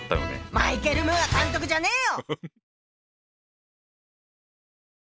マイケル・ムーア監督じゃねえよ！